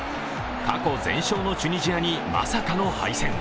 過去全勝のチュニジアにまさかの敗戦。